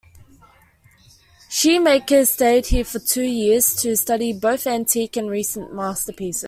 Scheemakers stayed here for two years to study both antique and recent masterpieces.